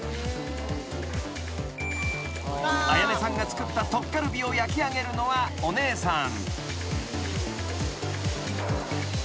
［彩音さんが作ったトッカルビを焼き上げるのはお姉さん］